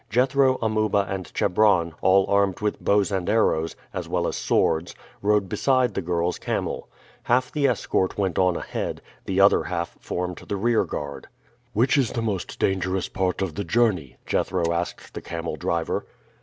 Jethro, Amuba, and Chebron, all armed with bows and arrows, as well as swords, rode beside the girls' camel. Half the escort went on ahead; the other half formed the rear guard. "Which is the most dangerous part of the journey?" Jethro asked the camel driver.